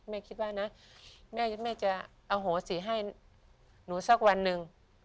แม่คิดว่านะแม่จะเอาโหสีให้หนูสักวันหนึ่ง